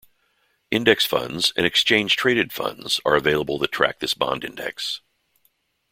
Index funds and exchange-traded funds are available that track this bond index.